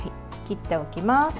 切っておきます。